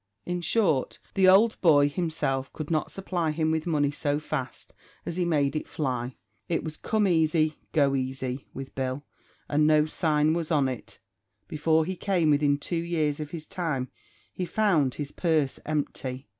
In short, the old boy himself could not supply him with money so fast as he made it fly; it was "come easy, go easy," with Bill, and so sign was on it, before he came within two years of his time he found his purse empty.